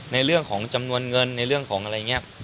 ในเรื่องของจำนวนเงินในเรื่องของอะไรอย่างนี้